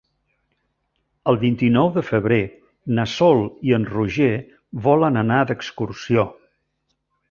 El vint-i-nou de febrer na Sol i en Roger volen anar d'excursió.